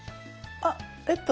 あっえっと